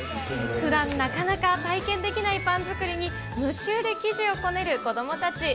ふだんなかなか体験できないパン作りに夢中で生地をこねる子どもたち。